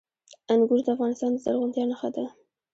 انګور د افغانستان د زرغونتیا نښه ده.